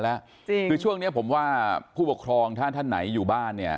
โอ้โหยากครับ